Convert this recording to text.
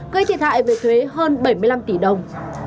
gây thiệt hại về thuế hơn bảy mươi năm tỷ đồng